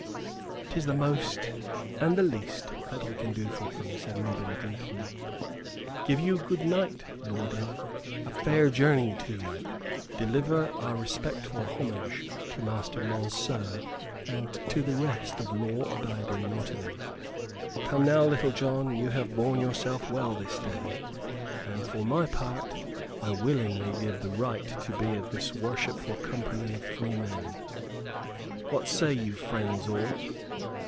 "'Tis the most and the least that we can do for him," said Robin, gleefully. "Give you good night, lording! A fair journey to you! Deliver our respectful homage to Master Monceux and to the rest of law abiding Nottingham! Come now, Little John, you have borne yourself well this day; and for my part I willingly give the right to be of this worshipful company of free men. What say you, friends all?"